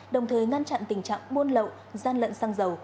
đồng thời ngăn chặn tình trạng buôn lậu gian lận xăng dầu